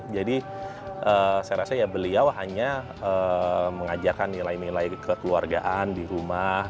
jadi saya rasa ya beliau hanya mengajarkan nilai nilai kekeluargaan di rumah